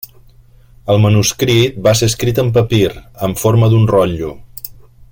El manuscrit va ser escrit en papir, en forma d'un rotllo.